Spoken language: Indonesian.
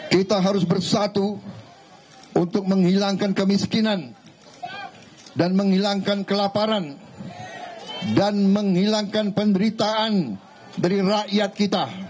kita harus bersatu untuk menghilangkan kemiskinan dan menghilangkan kelaparan dan menghilangkan penderitaan dari rakyat kita